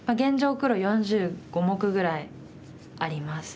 黒４５目ぐらいあります。